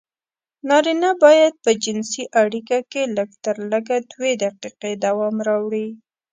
نارينه بايد په جنسي اړيکه کې لږترلږه دوې دقيقې دوام راوړي.